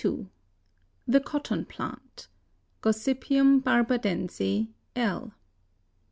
THE COTTON PLANT. (Gossypium barbadense, L.)